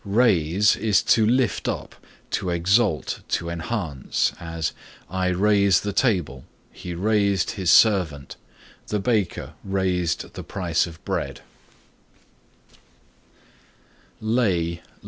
Raise is to lift up, to exalt, to enhance, as "I raise the table;" "He raised his servant;" "The baker raised the price of bread."